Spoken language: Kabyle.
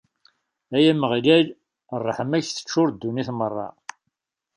Ay Ameɣlal, ṛṛeḥma-k teččur ddunit merra.